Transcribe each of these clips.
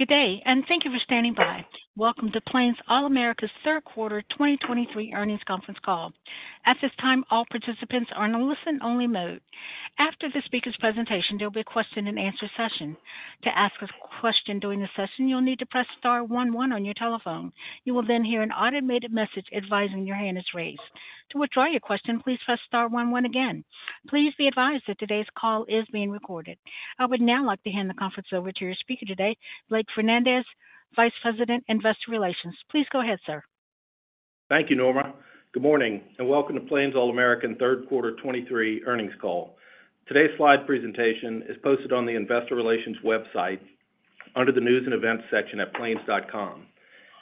Good day, and thank you for standing by. Welcome to Plains All American's third quarter 2023 earnings conference call. At this time, all participants are in a listen-only mode. After the speaker's presentation, there'll be a question-and-answer session. To ask a question during the session, you'll need to press star one one on your telephone. You will then hear an automated message advising your hand is raised. To withdraw your question, please press star one one again. Please be advised that today's call is being recorded. I would now like to hand the conference over to your speaker today, Blake Fernandez, Vice President, Investor Relations. Please go ahead, sir. Thank you, Norma. Good morning, and welcome to Plains All American third quarter 2023 earnings call. Today's slide presentation is posted on the Investor Relations website under the News and Events section at plains.com.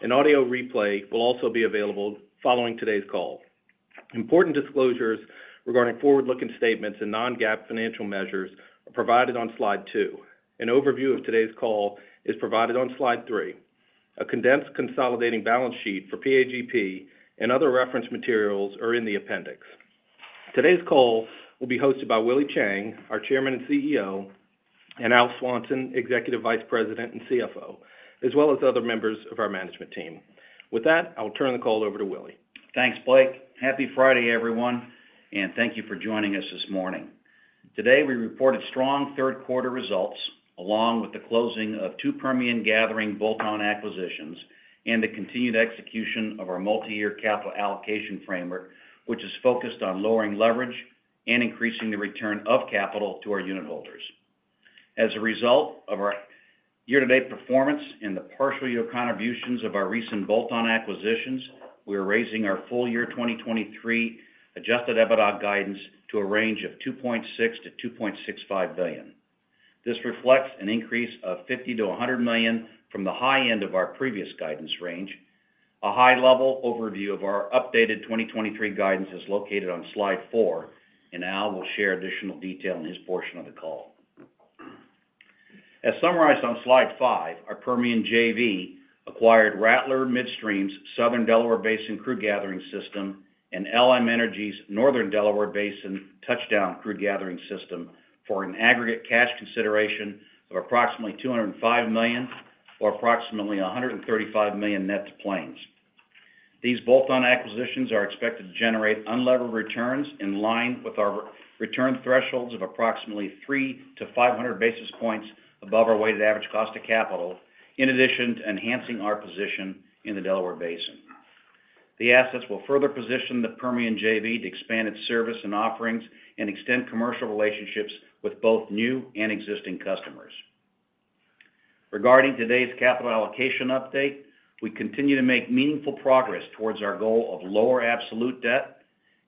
An audio replay will also be available following today's call. Important disclosures regarding forward-looking statements and non-GAAP financial measures are provided on slide 2. An overview of today's call is provided on slide 3. A condensed consolidating balance sheet for PAGP and other reference materials are in the appendix. Today's call will be hosted by Willie Chiang, our Chairman and CEO, and Al Swanson, Executive Vice President and CFO, as well as other members of our management team. With that, I'll turn the call over to Willie. Thanks, Blake. Happy Friday, everyone, and thank you for joining us this morning. Today, we reported strong third quarter results, along with the closing of two Permian Gathering bolt-on acquisitions and the continued execution of our multi-year capital allocation framework, which is focused on lowering leverage and increasing the return of capital to our unitholders. As a result of our year-to-date performance and the partial year contributions of our recent bolt-on acquisitions, we are raising our full year 2023 Adjusted EBITDA guidance to a range of $2.6 billion-$2.65 billion. This reflects an increase of $50 million-$100 million from the high end of our previous guidance range. A high-level overview of our updated 2023 guidance is located on slide 4, and Al will share additional detail in his portion of the call. As summarized on slide 5, our Permian JV acquired Rattler Midstream's Southern Delaware Basin crude gathering system and LM Energy's Northern Delaware Basin Touchdown crude gathering system for an aggregate cash consideration of approximately $205 million, or approximately $135 million net to Plains. These bolt-on acquisitions are expected to generate unlevered returns in line with our return thresholds of approximately 300-500 basis points above our weighted average cost of capital, in addition to enhancing our position in the Delaware Basin. The assets will further position the Permian JV to expand its service and offerings and extend commercial relationships with both new and existing customers. Regarding today's capital allocation update, we continue to make meaningful progress towards our goal of lower absolute debt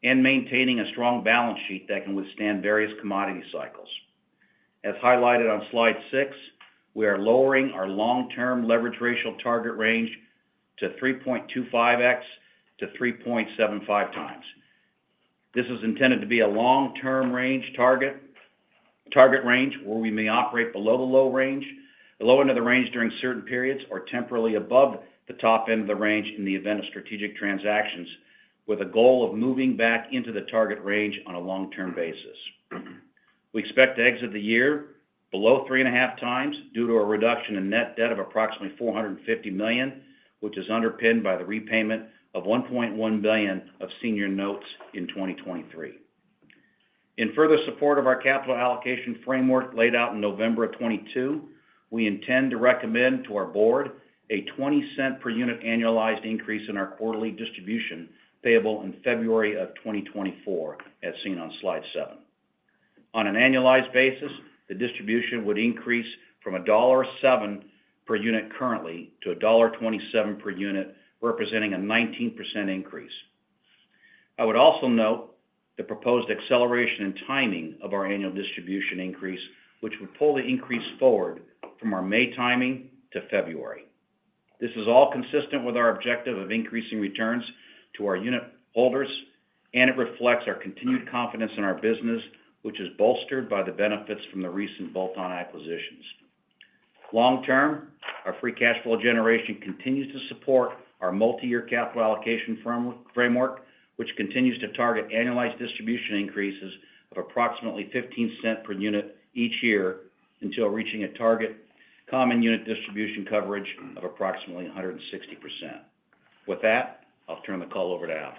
and maintaining a strong balance sheet that can withstand various commodity cycles. As highlighted on slide 6, we are lowering our long-term leverage ratio target range to 3.25x-3.75x. This is intended to be a long-term range target, target range, where we may operate below the low range, the low end of the range during certain periods, or temporarily above the top end of the range in the event of strategic transactions, with a goal of moving back into the target range on a long-term basis. We expect to exit the year below 3.5x due to a reduction in net debt of approximately $450 million, which is underpinned by the repayment of $1.1 billion of senior notes in 2023. In further support of our capital allocation framework laid out in November 2022, we intend to recommend to our board a $0.20 per unit annualized increase in our quarterly distribution, payable in February 2024, as seen on slide 7. On an annualized basis, the distribution would increase from $1.07 per unit currently to $1.27 per unit, representing a 19% increase. I would also note the proposed acceleration and timing of our annual distribution increase, which would pull the increase forward from our May timing to February. This is all consistent with our objective of increasing returns to our unitholders, and it reflects our continued confidence in our business, which is bolstered by the benefits from the recent bolt-on acquisitions. Long-term, our free cash flow generation continues to support our multi-year capital allocation framework, which continues to target annualized distribution increases of approximately $0.15 per unit each year until reaching a target common unit distribution coverage of approximately 160%. With that, I'll turn the call over to Al.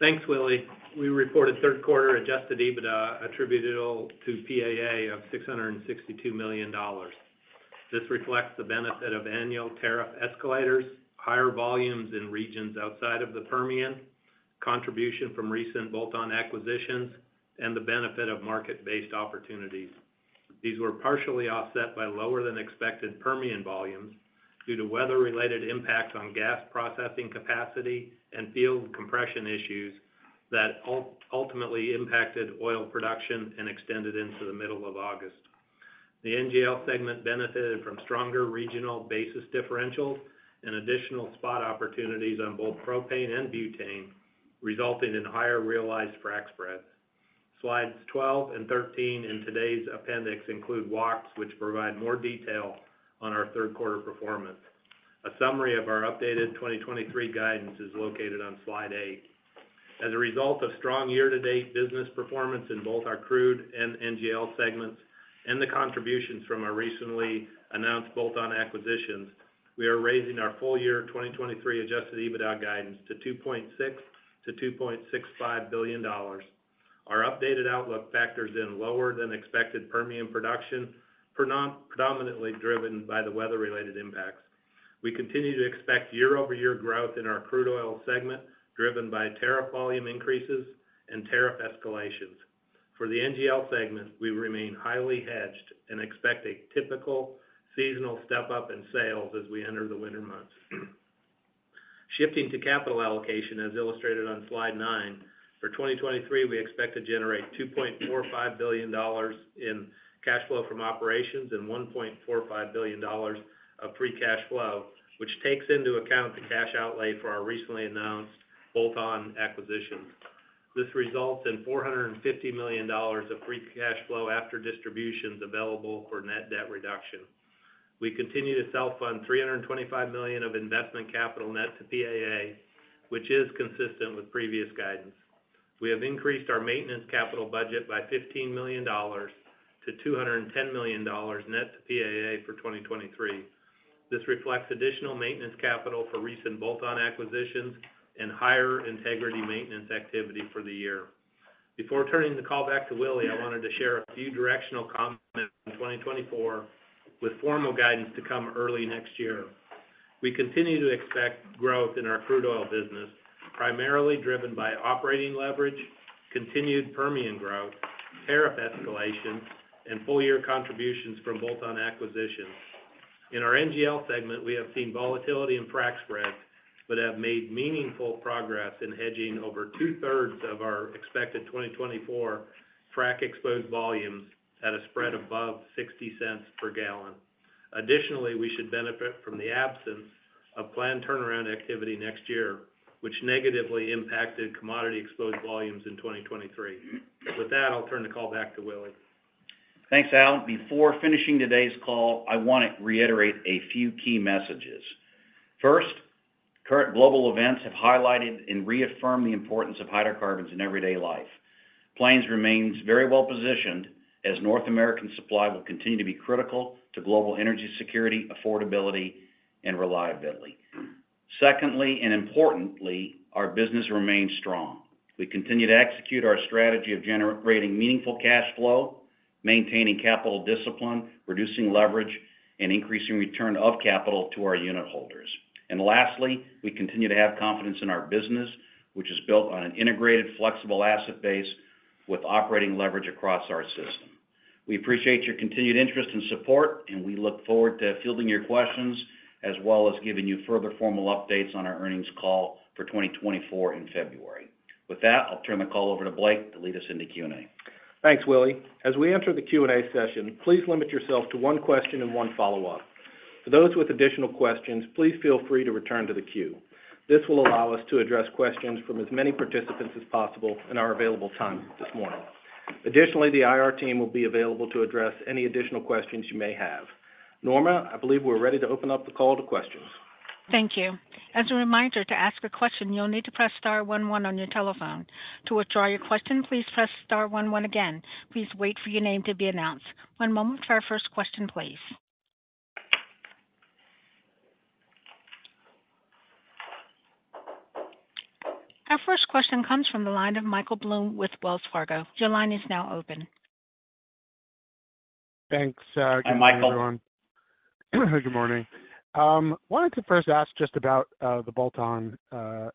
Thanks, Willie. We reported third quarter Adjusted EBITDA attributable to PAA of $662 million. This reflects the benefit of annual tariff escalators, higher volumes in regions outside of the Permian, contribution from recent bolt-on acquisitions, and the benefit of market-based opportunities. These were partially offset by lower than expected Permian volumes due to weather-related impacts on gas processing capacity and field compression issues that ultimately impacted oil production and extended into the middle of August. The NGL segment benefited from stronger regional basis differentials and additional spot opportunities on both propane and butane, resulting in higher realized frac spreads. slides 12 and 13 in today's appendix include walks, which provide more detail on our third quarter performance. A summary of our updated 2023 guidance is located on slide 8. As a result of strong year-to-date business performance in both our crude and NGL segments and the contributions from our recently announced bolt-on acquisitions, we are raising our full-year 2023 Adjusted EBITDA guidance to $2.6 billion-$2.65 billion. Our updated outlook factors in lower-than-expected Permian production, predominantly driven by the weather-related impacts. We continue to expect year-over-year growth in our crude oil segment, driven by tariff volume increases and tariff escalations. For the NGL segment, we remain highly hedged and expect a typical seasonal step-up in sales as we enter the winter months. Shifting to capital allocation, as illustrated on slide 9, for 2023, we expect to generate $2.45 billion in cash flow from operations and $1.45 billion of free cash flow, which takes into account the cash outlay for our recently announced bolt-on acquisitions. This results in $450 million of free cash flow after distributions available for net debt reduction. We continue to self-fund $325 million of investment capital net to PAA, which is consistent with previous guidance. We have increased our maintenance capital budget by $15 million to $210 million net to PAA for 2023. This reflects additional maintenance capital for recent bolt-on acquisitions and higher integrity maintenance activity for the year. Before turning the call back to Willie, I wanted to share a few directional comments on 2024, with formal guidance to come early next year. We continue to expect growth in our crude oil business, primarily driven by operating leverage, continued Permian growth, tariff escalation, and full-year contributions from bolt-on acquisitions. In our NGL segment, we have seen volatility in frac spreads, but have made meaningful progress in hedging over 2/3 of our expected 2024 frac exposed volumes at a spread above $0.60 per gallon. Additionally, we should benefit from the absence of planned turnaround activity next year, which negatively impacted commodity exposed volumes in 2023. With that, I'll turn the call back to Willie. Thanks, Al. Before finishing today's call, I want to reiterate a few key messages. First, current global events have highlighted and reaffirmed the importance of hydrocarbons in everyday life. Plains remains very well-positioned as North American supply will continue to be critical to global energy security, affordability, and reliability. Secondly, and importantly, our business remains strong. We continue to execute our strategy of generating meaningful cash flow, maintaining capital discipline, reducing leverage, and increasing return of capital to our unitholders. And lastly, we continue to have confidence in our business, which is built on an integrated, flexible asset base with operating leverage across our system. We appreciate your continued interest and support, and we look forward to fielding your questions as well as giving you further formal updates on our earnings call for 2024 in February. With that, I'll turn the call over to Blake to lead us into Q&A. Thanks, Willie. As we enter the Q&A session, please limit yourself to one question and one follow-up. For those with additional questions, please feel free to return to the queue. This will allow us to address questions from as many participants as possible in our available time this morning. Additionally, the IR team will be available to address any additional questions you may have. Norma, I believe we're ready to open up the call to questions. Thank you. As a reminder, to ask a question, you'll need to press star one one on your telephone. To withdraw your question, please press star one one again. Please wait for your name to be announced. One moment for our first question, please. Our first question comes from the line of Michael Blum with Wells Fargo. Your line is now open. Thanks, uh- Hi, Michael. Good morning, everyone. Good morning. Wanted to first ask just about the bolt-on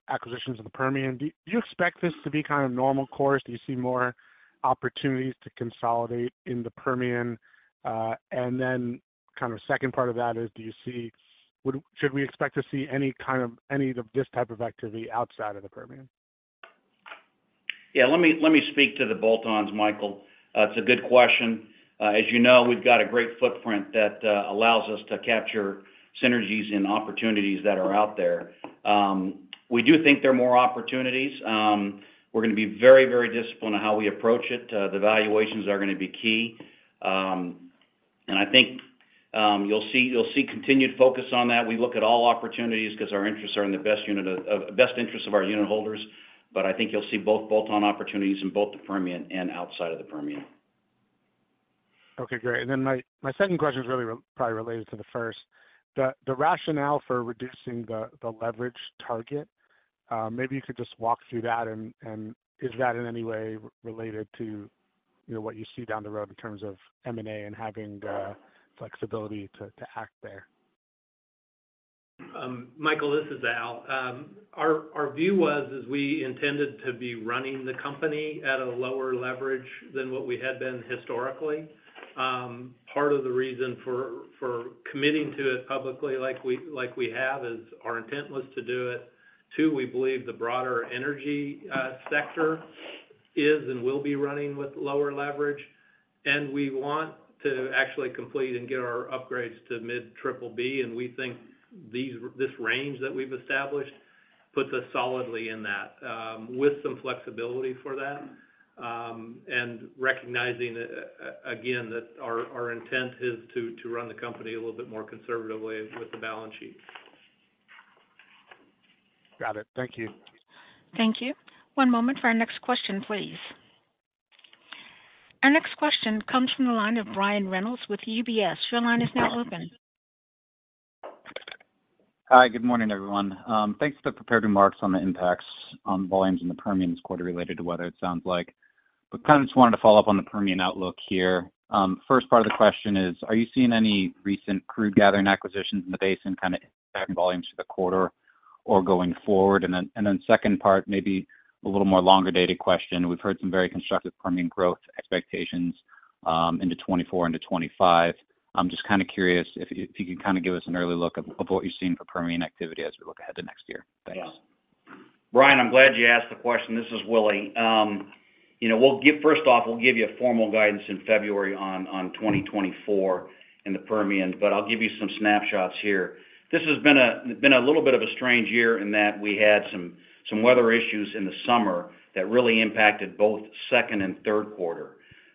acquisitions of the Permian. Do you expect this to be kind of normal course? Do you see more opportunities to consolidate in the Permian? And then kind of second part of that is, should we expect to see any kind of, any of this type of activity outside of the Permian? Yeah, let me, let me speak to the bolt-ons, Michael. It's a good question. As you know, we've got a great footprint that allows us to capture synergies and opportunities that are out there. We do think there are more opportunities. We're going to be very, very disciplined on how we approach it. The valuations are going to be key. And I think, you'll see, you'll see continued focus on that. We look at all opportunities because our interests are in the best unit of best interest of our unitholders, but I think you'll see both bolt-on opportunities in both the Permian and outside of the Permian. Okay, great. And then my second question is really probably related to the first. The rationale for reducing the leverage target, maybe you could just walk through that, and is that in any way related to, you know, what you see down the road in terms of M&A and having the flexibility to act there? Michael, this is Al. Our view was, is we intended to be running the company at a lower leverage than what we had been historically. Part of the reason for committing to it publicly like we have, is our intent was to do it. Two, we believe the broader energy sector is and will be running with lower leverage, and we want to actually complete and get our upgrades to mid-triple B. And we think this range that we've established puts us solidly in that, with some flexibility for that. And recognizing, again, that our intent is to run the company a little bit more conservatively with the balance sheet. Got it. Thank you. Thank you. One moment for our next question, please. Our next question comes from the line of Brian Reynolds with UBS. Your line is now open. Hi, good morning, everyone. Thanks for the prepared remarks on the impacts on volumes in the Permian this quarter related to weather, it sounds like. But kind of just wanted to follow up on the Permian outlook here. First part of the question is, are you seeing any recent crude gathering acquisitions in the basin kind of impacting volumes for the quarter or going forward? And then, second part, maybe a little more longer-dated question. We've heard some very constructive Permian growth expectations, into 2024 into 2025. I'm just kind of curious if you can kind of give us an early look of what you've seen for Permian activity as we look ahead to next year. Thanks. Yeah. Brian, I'm glad you asked the question. This is Willie. You know, we'll give you a formal guidance in February on 2024 in the Permian, but I'll give you some snapshots here. This has been a little bit of a strange year in that we had some weather issues in the summer that really impacted both second and third quarter.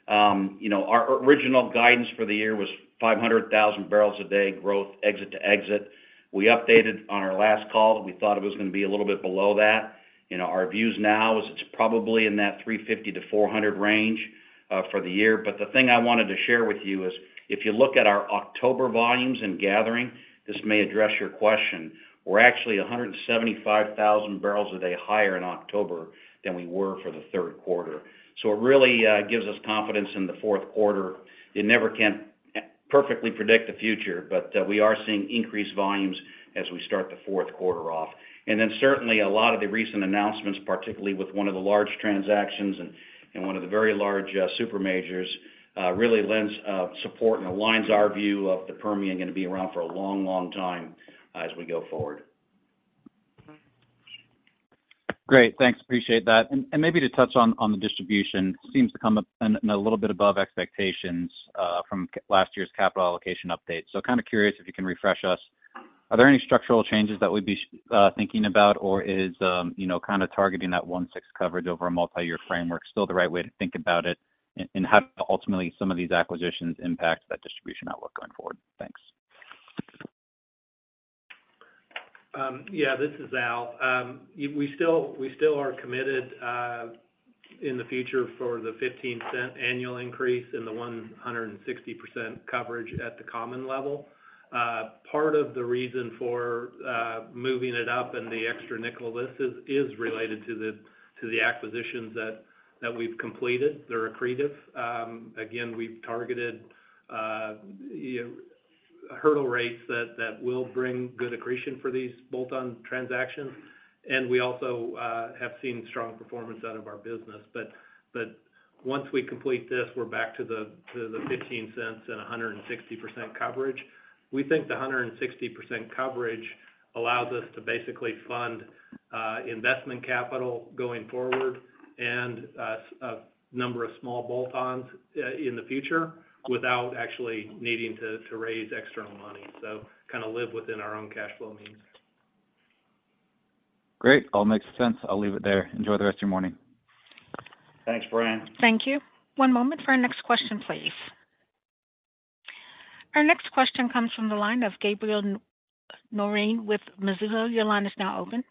You know, our original guidance for the year was 500,000 barrels a day growth, exit to exit. We updated on our last call, we thought it was going to be a little bit below that. You know, our views now is it's probably in that 350-400 range for the year. But the thing I wanted to share with you is, if you look at our October volumes in gathering, this may address your question. We're actually 175,000 barrels a day higher in October than we were for the third quarter. So it really gives us confidence in the fourth quarter. You never can perfectly predict the future, but we are seeing increased volumes as we start the fourth quarter off. And then certainly, a lot of the recent announcements, particularly with one of the large transactions and one of the very large super majors really lends support and aligns our view of the Permian going to be around for a long, long time as we go forward. Great. Thanks, appreciate that. And maybe to touch on the distribution, seems to come up a little bit above expectations from last year's capital allocation update. So kind of curious if you can refresh us. Are there any structural changes that we'd be thinking about, or is, you know, kind of targeting that 1.6x coverage over a multi-year framework still the right way to think about it, and how ultimately some of these acquisitions impact that distribution outlook going forward? Thanks. Yeah, this is Al. We still are committed in the future for the 15-cent annual increase and the 160% coverage at the common level. Part of the reason for moving it up and the extra nickel this is related to the acquisitions that we've completed. They're accretive. Again, we've targeted hurdle rates that will bring good accretion for these bolt-on transactions, and we also have seen strong performance out of our business. But once we complete this, we're back to the 15 cents and a 160% coverage. We think the 160% coverage allows us to basically fund investment capital going forward and a number of small bolt-ons in the future without actually needing to raise external money. Kind of live within our own cash flow means. Great. All makes sense. I'll leave it there. Enjoy the rest of your morning. Thanks, Brian. Thank you. One moment for our next question, please. Our next question comes from the line of Gabriel Moreen with Mizuho. Your line is now open.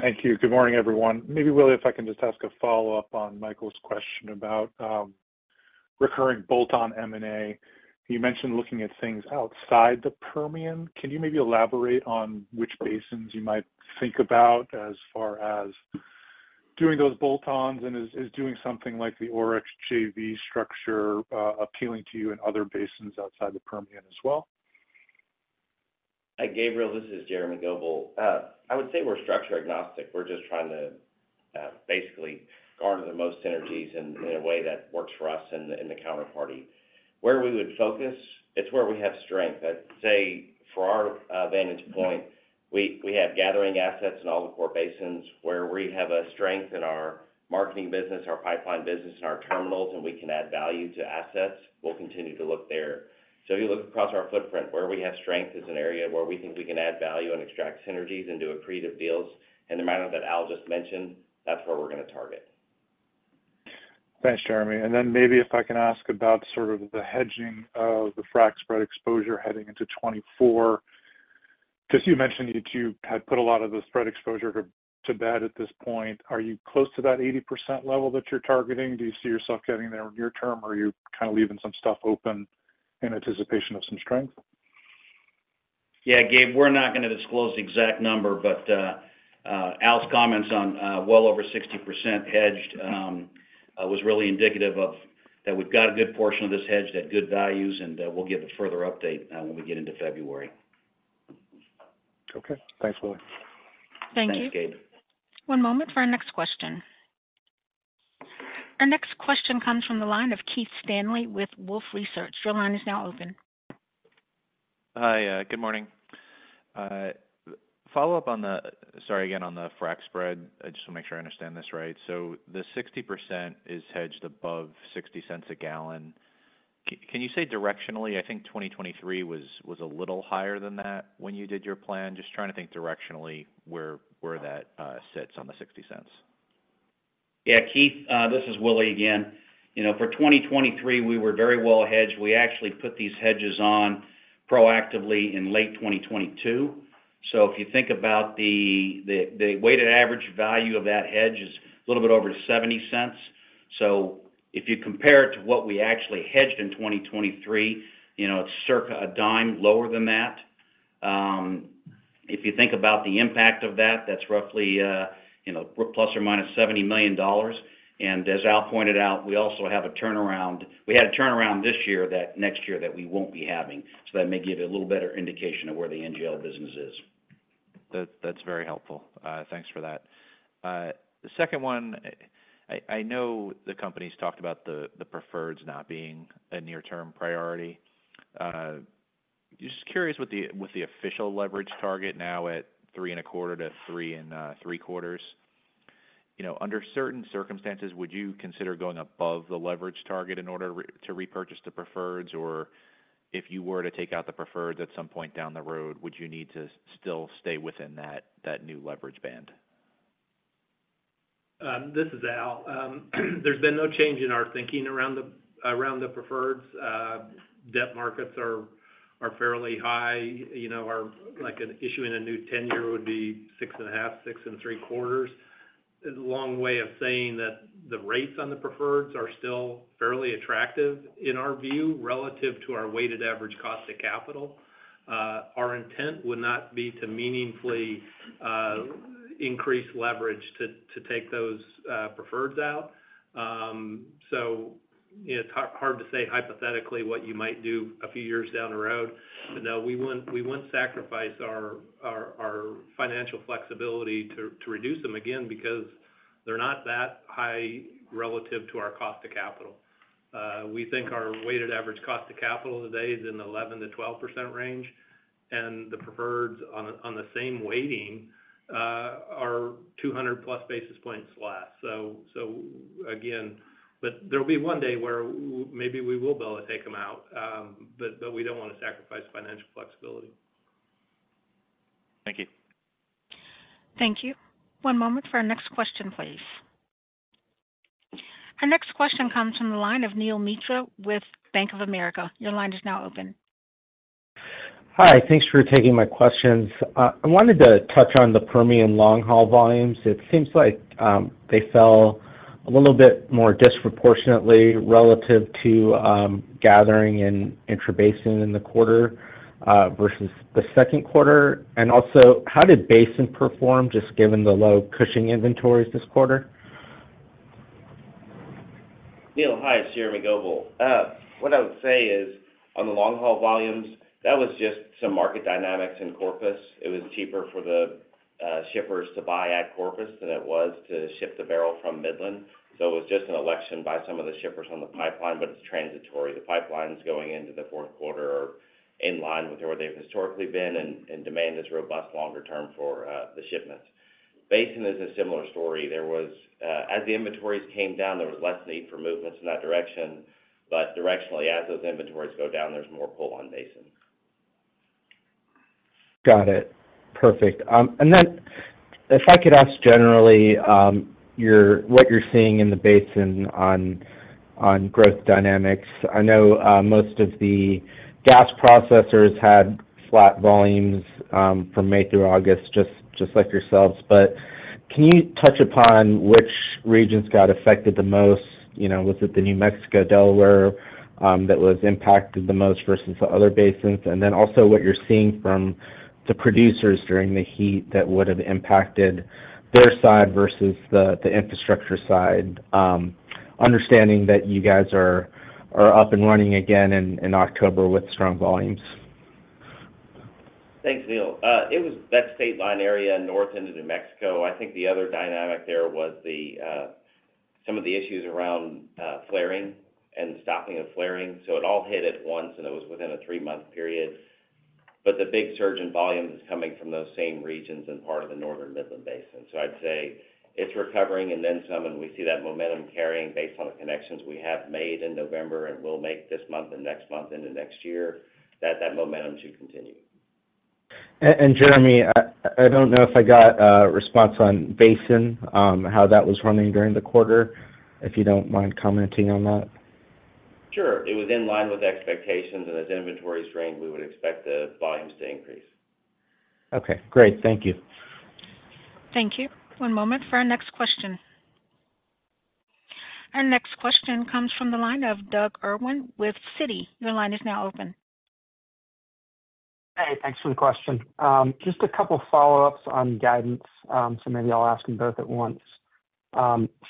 Thank you. Good morning, everyone. Maybe, Willie, if I can just ask a follow-up on Michael's question about recurring bolt-on M&A. You mentioned looking at things outside the Permian. Can you maybe elaborate on which basins you might think about as far as doing those bolt-ons? And is doing something like the Oryx JV structure appealing to you in other basins outside the Permian as well? Hi, Gabriel, this is Jeremy Goebel. I would say we're structure agnostic. We're just trying to basically garner the most synergies in a way that works for us and the counterparty. Where we would focus, it's where we have strength. I'd say, for our vantage point, we have gathering assets in all the core basins where we have a strength in our marketing business, our pipeline business, and our terminals, and we can add value to assets, we'll continue to look there. So if you look across our footprint, where we have strength is an area where we think we can add value and extract synergies and do accretive deals. And the amount that Al just mentioned, that's where we're going to target. Thanks, Jeremy. And then maybe if I can ask about sort of the hedging of the frac spread exposure heading into 2024. Because you mentioned that you had put a lot of the spread exposure to bed at this point. Are you close to that 80% level that you're targeting? Do you see yourself getting there near term, or are you kind of leaving some stuff open in anticipation of some strength? Yeah, Gabe, we're not going to disclose the exact number, but, Al's comments on, well over 60% hedged, was really indicative of that we've got a good portion of this hedged at good values, and, we'll give a further update, when we get into February. Okay. Thanks, Willie. Thank you. Thanks, Gabe. One moment for our next question. Our next question comes from the line of Keith Stanley with Wolfe Research. Your line is now open. Hi, good morning. Follow up on the, sorry, again, on the frac spread, just to make sure I understand this right. So the 60% is hedged above $0.60/gallon. Can you say directionally, I think 2023 was a little higher than that when you did your plan? Just trying to think directionally where that sits on the $0.60.... Yeah, Keith, this is Willie again. You know, for 2023, we were very well hedged. We actually put these hedges on proactively in late 2022. So if you think about the weighted average value of that hedge is a little bit over $0.70. So if you compare it to what we actually hedged in 2023, you know, it's circa $0.10 lower than that. If you think about the impact of that, that's roughly, you know, ± $70 million. And as Al pointed out, we also have a turnaround. We had a turnaround this year that next year that we won't be having. So that may give you a little better indication of where the NGL business is. That, that's very helpful. Thanks for that. The second one, I know the company's talked about the preferreds not being a near-term priority. Just curious with the official leverage target now at 3.25-3.75, you know, under certain circumstances, would you consider going above the leverage target in order to repurchase the preferreds? Or if you were to take out the preferreds at some point down the road, would you need to still stay within that new leverage band? This is Al. There's been no change in our thinking around the preferreds. Debt markets are fairly high. You know, our—like, an issue in a new 10-year would be 6.5, 6.75. It's a long way of saying that the rates on the preferreds are still fairly attractive in our view, relative to our weighted average cost of capital. Our intent would not be to meaningfully increase leverage to take those preferreds out. So it's hard to say hypothetically what you might do a few years down the road. But no, we wouldn't sacrifice our financial flexibility to reduce them again, because they're not that high relative to our cost of capital. We think our weighted average cost of capital today is in the 11%-12% range, and the preferreds on the, on the same weighting, are 200+ basis points less. So, again, but there'll be one day where maybe we will be able to take them out, but we don't want to sacrifice financial flexibility. Thank you. Thank you. One moment for our next question, please. Our next question comes from the line of Neel Mitra with Bank of America. Your line is now open. Hi, thanks for taking my questions. I wanted to touch on the Permian long-haul volumes. It seems like they fell a little bit more disproportionately relative to gathering in Intrabasin in the quarter versus the second quarter. And also, how did Basin perform, just given the low Cushing inventories this quarter? Neel, hi, it's Jeremy Goebel. What I would say is, on the long-haul volumes, that was just some market dynamics in Corpus. It was cheaper for the shippers to buy at Corpus than it was to ship the barrel from Midland. So it was just an election by some of the shippers on the pipeline, but it's transitory. The pipelines going into the fourth quarter are in line with where they've historically been, and demand is robust longer term for the shipments. Basin is a similar story. There was, as the inventories came down, there was less need for movements in that direction. But directionally, as those inventories go down, there's more pull on Basin. Got it. Perfect. And then if I could ask generally, what you're seeing in the basin on growth dynamics. I know most of the gas processors had flat volumes from May through August, just like yourselves. But can you touch upon which regions got affected the most? You know, was it the New Mexico, Delaware that was impacted the most versus the other basins? And then also what you're seeing from the producers during the heat that would have impacted their side versus the infrastructure side, understanding that you guys are up and running again in October with strong volumes. Thanks, Neel. It was that state line area, north into New Mexico. I think the other dynamic there was the some of the issues around flaring and stopping of flaring. So it all hit at once, and it was within a three-month period. But the big surge in volume is coming from those same regions and part of the Northern Midland Basin. So I'd say it's recovering, and then some, and we see that momentum carrying based on the connections we have made in November and will make this month and next month into next year, that that momentum should continue. And Jeremy, I, I don't know if I got a response on Basin, how that was running during the quarter, if you don't mind commenting on that. Sure. It was in line with expectations, and as inventories range, we would expect the volumes to increase. Okay, great. Thank you. Thank you. One moment for our next question. Our next question comes from the line of Doug Irwin with Citi. Your line is now open. Hey, thanks for the question. Just a couple follow-ups on guidance, so maybe I'll ask them both at once.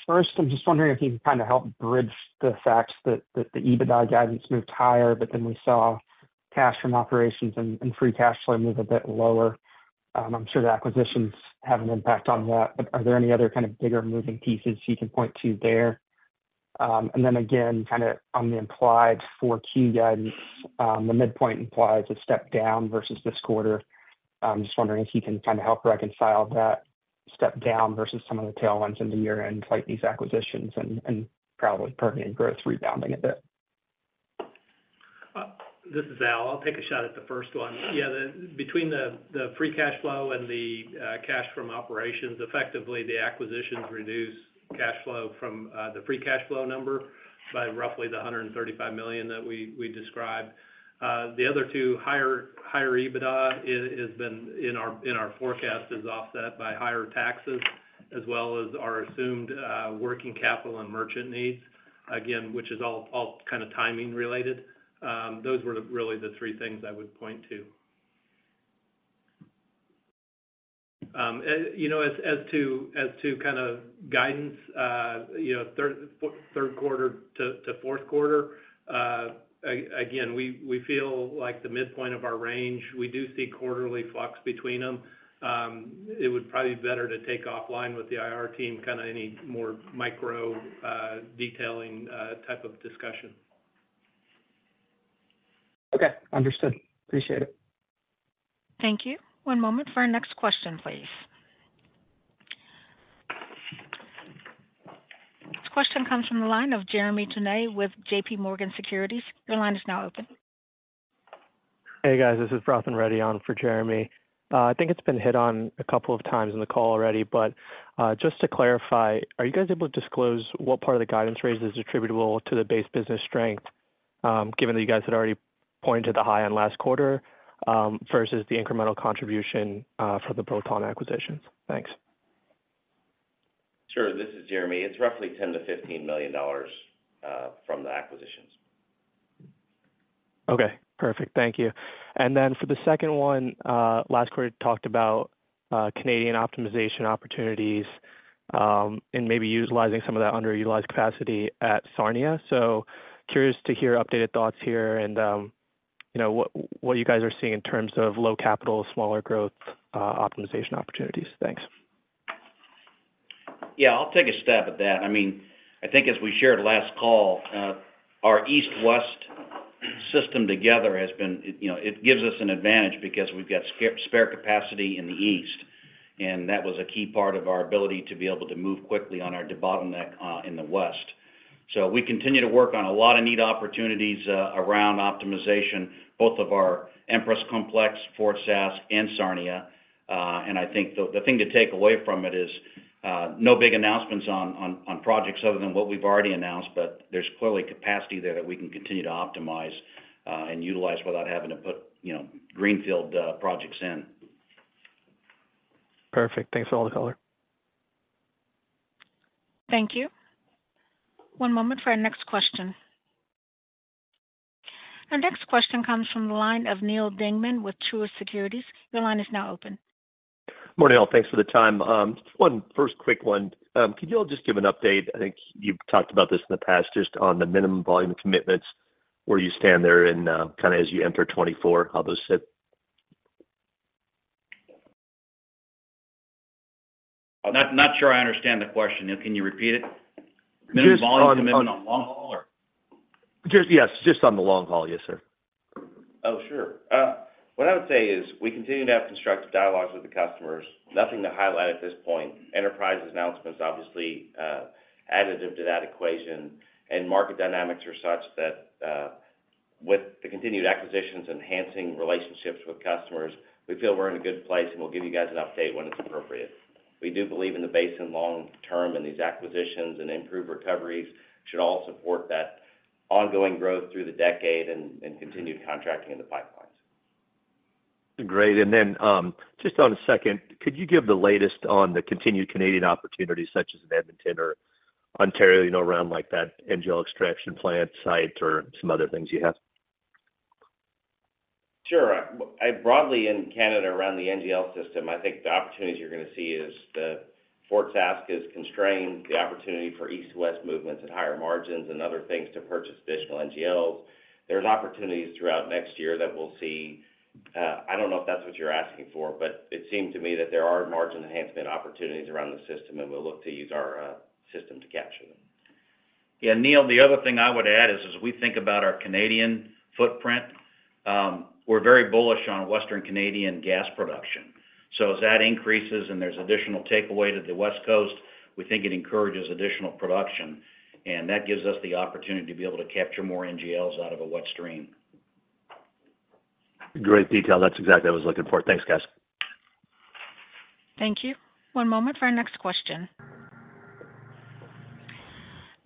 First, I'm just wondering if you can kind of help bridge the facts that the EBITDA guidance moved higher, but then we saw cash from operations and free cash flow move a bit lower. I'm sure the acquisitions have an impact on that, but are there any other kind of bigger moving pieces you can point to there? And then again, kind of on the implied 4Q guidance, the midpoint implies a step down versus this quarter. I'm just wondering if you can kind of help reconcile that step down versus some of the tailwinds in the year-end, like these acquisitions and probably Permian growth rebounding a bit. This is Al. I'll take a shot at the first one. Yeah, the between the free cash flow and the cash from operations, effectively, the acquisitions reduce cash flow from the free cash flow number by roughly $135 million that we described. The other two higher EBITDA has been in our forecast, is offset by higher taxes as well as our assumed working capital and merchant needs, again, which is all kind of timing related. Those were really the three things I would point to. And, you know, as to kind of guidance, you know, third, fourth, third quarter to fourth quarter, again, we feel like the midpoint of our range, we do see quarterly flux between them. It would probably be better to take offline with the IR team, kind of any more micro detailing type of discussion. Okay, understood. Appreciate it. Thank you. One moment for our next question, please. This question comes from the line of Jeremy Tonet with JPMorgan Securities. Your line is now open. Hey, guys, this is Vrathan Reddy on for Jeremy. I think it's been hit on a couple of times in the call already, but just to clarify, are you guys able to disclose what part of the guidance raise is attributable to the base business strength, given that you guys had already pointed to the high end last quarter, versus the incremental contribution for the Permian acquisitions? Thanks. Sure. This is Jeremy. It's roughly $10 million-$15 million from the acquisitions. Okay, perfect. Thank you. And then for the second one, last quarter, you talked about Canadian optimization opportunities, and maybe utilizing some of that underutilized capacity at Sarnia. So curious to hear updated thoughts here and, you know, what, what you guys are seeing in terms of low capital, smaller growth, optimization opportunities. Thanks. Yeah, I'll take a stab at that. I mean, I think as we shared last call, our East-West system together has been, you know, it gives us an advantage because we've got spare, spare capacity in the East, and that was a key part of our ability to be able to move quickly on our debottleneck in the West. So we continue to work on a lot of neat opportunities around optimization, both of our Empress Complex, Fort Sask, and Sarnia. And I think the thing to take away from it is no big announcements on projects other than what we've already announced, but there's clearly capacity there that we can continue to optimize and utilize without having to put, you know, greenfield projects in. Perfect. Thanks for all the color. Thank you. One moment for our next question. Our next question comes from the line of Neal Dingman with Truist Securities. Your line is now open. Morning, all. Thanks for the time. One first quick one. Could you all just give an update, I think you've talked about this in the past, just on the minimum volume commitments, where you stand there and, kind of as you enter 2024, how those sit? I'm not sure I understand the question. Can you repeat it? Just on- Minimum volume commitment on long haul or? Just yes, just on the long haul. Yes, sir. Oh, sure. What I would say is, we continue to have constructive dialogues with the customers. Nothing to highlight at this point. Enterprise's announcement is obviously additive to that equation, and market dynamics are such that with the continued acquisitions, enhancing relationships with customers, we feel we're in a good place, and we'll give you guys an update when it's appropriate. We do believe in the basin long term, and these acquisitions and improved recoveries should all support that ongoing growth through the decade and continued contracting in the pipelines. Great. And then, just one second, could you give the latest on the continued Canadian opportunities, such as in Edmonton or Ontario, you know, around like that NGL extraction plant site or some other things you have? Sure. Broadly in Canada, around the NGL system, I think the opportunities you're gonna see is the Fort Sask is constrained, the opportunity for East to West movements at higher margins and other things to purchase additional NGLs. There's opportunities throughout next year that we'll see. I don't know if that's what you're asking for, but it seems to me that there are margin enhancement opportunities around the system, and we'll look to use our system to capture them. Yeah, Neel, the other thing I would add is, as we think about our Canadian footprint, we're very bullish on Western Canadian gas production. So as that increases and there's additional takeaway to the West Coast, we think it encourages additional production, and that gives us the opportunity to be able to capture more NGLs out of a wet stream. Great detail. That's exactly what I was looking for. Thanks, guys. Thank you. One moment for our next question.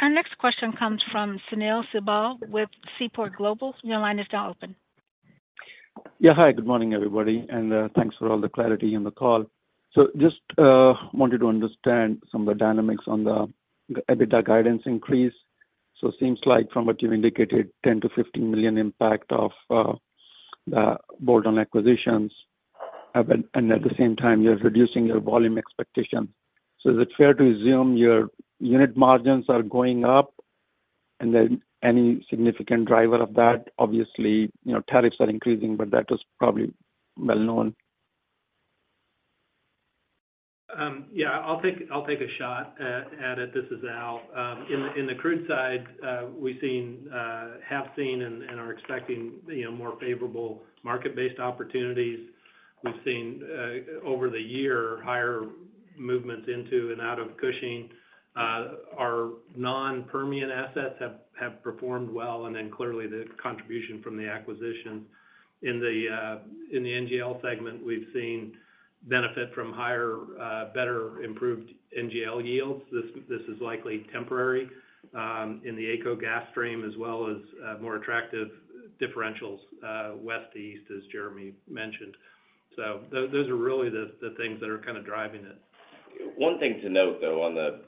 Our next question comes from Sunil Sibal with Seaport Global. Your line is now open. Yeah, hi, good morning, everybody, and thanks for all the clarity on the call. So just wanted to understand some of the dynamics on the EBITDA guidance increase. So it seems like from what you've indicated, $10-$15 million impact of the bolt-on acquisitions, but and at the same time, you're reducing your volume expectations. So is it fair to assume your unit margins are going up? And then, any significant driver of that? Obviously, you know, tariffs are increasing, but that is probably well known. Yeah, I'll take a shot at it. This is Al. In the crude side, we have seen and are expecting, you know, more favorable market-based opportunities. We've seen over the year higher movements into and out of Cushing, our non-Permian assets have performed well, and then clearly, the contribution from the acquisition. In the NGL segment, we've seen benefit from higher, better improved NGL yields. This is likely temporary in the AECO gas stream, as well as more attractive differentials west to east, as Jeremy mentioned. So those are really the things that are kind of driving it. One thing to note, though, on the,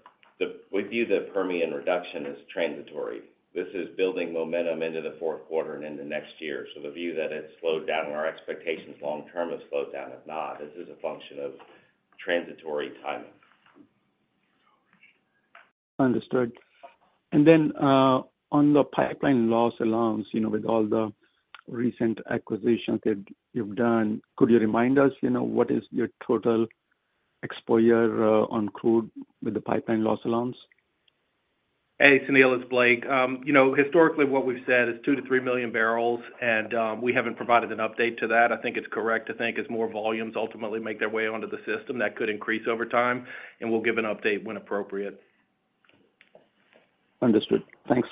we view the Permian reduction as transitory. This is building momentum into the fourth quarter and into next year. So the view that it's slowed down and our expectations long term has slowed down, have not. This is a function of transitory timing. Understood. And then, on the pipeline loss allowance, you know, with all the recent acquisitions that you've done, could you remind us, you know, what is your total exposure on crude with the pipeline loss allowance? Hey, Sunil, it's Blake. You know, historically, what we've said is 2-3 million barrels, and we haven't provided an update to that. I think it's correct to think as more volumes ultimately make their way onto the system, that could increase over time, and we'll give an update when appropriate. Understood. Thanks.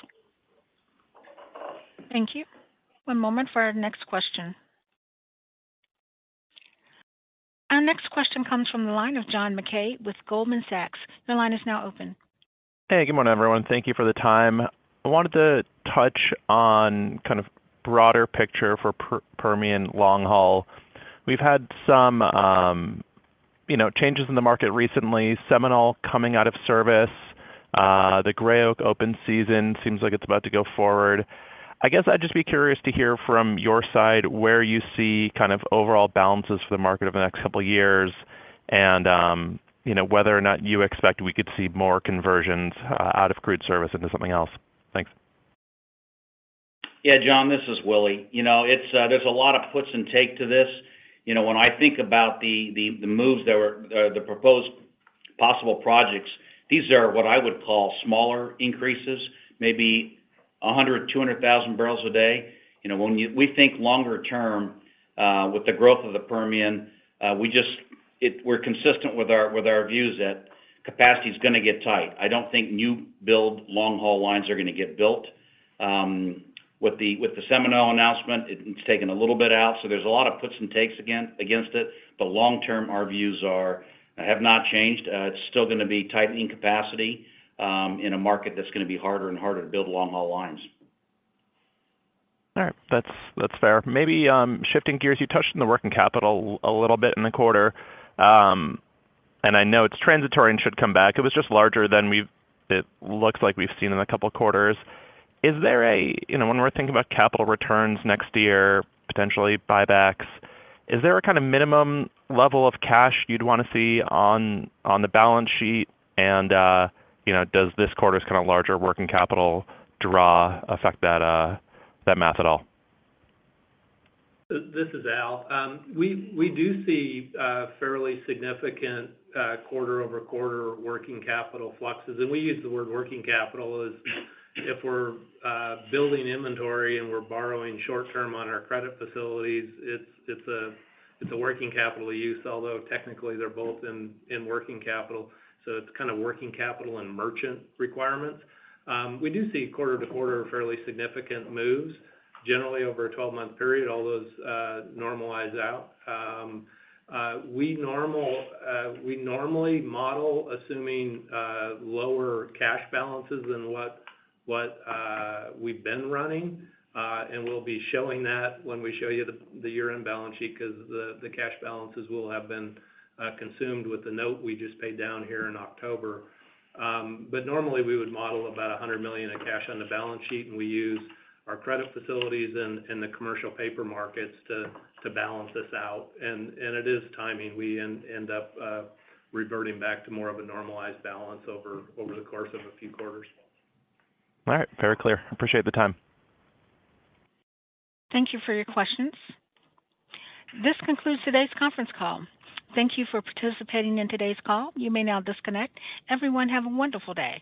Thank you. One moment for our next question. Our next question comes from the line of John Mackay with Goldman Sachs. Your line is now open. Hey, good morning, everyone. Thank you for the time. I wanted to touch on kind of broader picture for Permian long-haul. We've had some, you know, changes in the market recently, Seminole coming out of service, the Gray Oak open season seems like it's about to go forward. I guess I'd just be curious to hear from your side, where you see kind of overall balances for the market over the next couple of years, and, you know, whether or not you expect we could see more conversions out of crude service into something else. Thanks. Yeah, John, this is Willie. You know, it's, there's a lot of puts and take to this. You know, when I think about the moves that were the proposed possible projects, these are what I would call smaller increases, maybe 100-200,000 barrels a day. You know, when we think longer term, with the growth of the Permian, we're consistent with our views that capacity is gonna get tight. I don't think new build long-haul lines are gonna get built. With the Seminole announcement, it's taken a little bit out, so there's a lot of puts and takes again, against it. But long term, our views are, have not changed. It's still gonna be tightening capacity, in a market that's gonna be harder and harder to build long-haul lines. All right. That's, that's fair. Maybe, shifting gears, you touched on the working capital a little bit in the quarter. And I know it's transitory and should come back. It was just larger than we've seen in a couple of quarters. Is there a, you know, when we're thinking about capital returns next year, potentially buybacks, is there a kind of minimum level of cash you'd want to see on, on the balance sheet? And, you know, does this quarter's kind of larger working capital draw affect that, that math at all? This is Al. We do see fairly significant quarter-over-quarter working capital fluxes. We use the word working capital as if we're building inventory and we're borrowing short term on our credit facilities, it's a working capital use, although technically, they're both in working capital, so it's kind of working capital and merchant requirements. We do see quarter-to-quarter fairly significant moves. Generally, over a 12-month period, all those normalize out. We normally model assuming lower cash balances than what we've been running. And we'll be showing that when we show you the year-end balance sheet, because the cash balances will have been consumed with the note we just paid down here in October. But normally, we would model about $100 million in cash on the balance sheet, and we use our credit facilities and the commercial paper markets to balance this out. And it is timing. We end up reverting back to more of a normalized balance over the course of a few quarters. All right. Very clear. Appreciate the time. Thank you for your questions. This concludes today's conference call. Thank you for participating in today's call. You may now disconnect. Everyone, have a wonderful day.